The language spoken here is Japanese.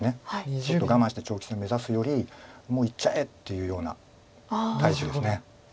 ちょっと我慢して長期戦目指すより「もういっちゃえ！」っていうようなタイプです。